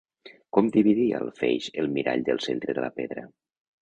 Com dividia el feix el mirall del centre de la pedra?